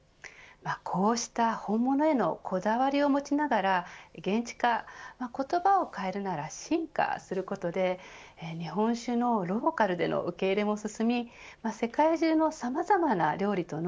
こうした本物へのこだわりを持ちながら現地化言葉を変えるなら進化することで日本酒のローカルでの受け入れも進み世界中もさまざまな料理との